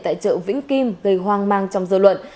tại trợ vĩnh kim gây hoang mang trong dơ luận